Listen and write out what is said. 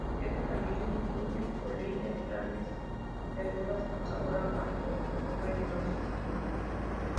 Esta familia incluye polillas grandes, peludas, con sabor amargo o venenosas.